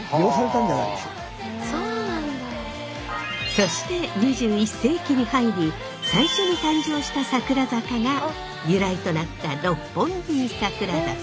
そして２１世紀に入り最初に誕生した桜坂が由来となった六本木さくら坂。